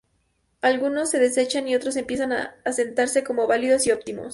Algunos se desechan, y otros empiezan a asentarse como válidos y óptimos.